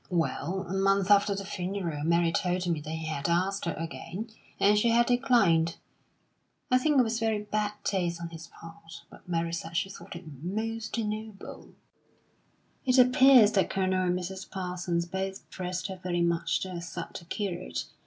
Well, a month after the funeral, Mary told me that he had asked her again, and she had declined. I think it was very bad taste on his part, but Mary said she thought it most noble. "It appears that Colonel and Mrs. Parsons both pressed her very much to accept the curate.